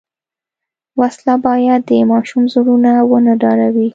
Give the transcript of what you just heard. وسله باید د ماشوم زړونه ونه ډاروي